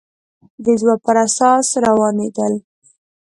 د ځواب پر اساس روانېدل